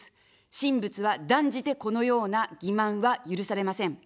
神仏は断じてこのような欺まんは許されません。